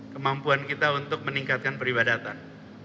kemampuan kita untuk meningkatkan peribadatan